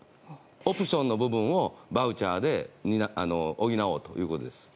オプションの部分をバウチャーで補おうということです。